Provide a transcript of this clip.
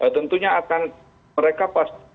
tentunya akan mereka pas